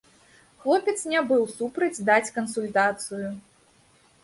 Хлопец не быў супраць даць кансультацыю.